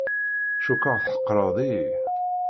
Cukkeɣ tḥeqqreḍ-iyi.